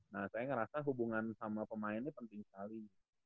nah saya ngerasa hubungan sama pemainnya penting sekali